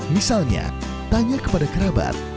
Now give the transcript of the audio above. misalnya tanya kepada kerabat